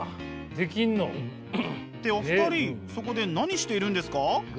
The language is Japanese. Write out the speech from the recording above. できんの？ってお二人そこで何しているんですか？